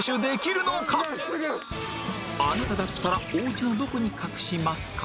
あなただったらお家のどこに隠しますか？